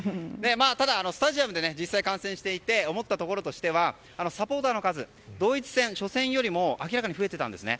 ただ、スタジアムで実際に観戦していて思ったところはサポーターの数が初戦のドイツ戦よりも明らかに増えてたんですね。